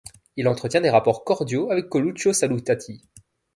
Il entretient des rapports cordiaux avec Coluccio Salutati.